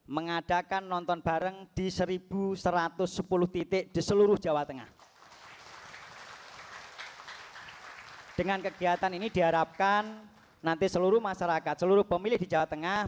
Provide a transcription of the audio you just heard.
ketua bawaslu provinsi jawa tengah